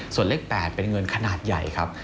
ส่วนเลข๘เป็นเงินขนาดใหญ่ครับ